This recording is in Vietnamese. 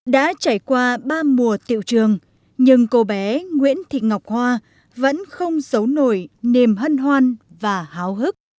đã trải qua ba mùa tiệu trường nhưng cô bé nguyễn thị ngọc hoa vẫn không giấu nổi niềm hân hoan và háo hức